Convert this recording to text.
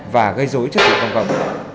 và gây dối cho thủ công cộng